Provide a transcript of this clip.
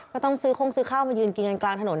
ก็ต้องซื้อข้องซื้อข้าวยืนกินกลางถนน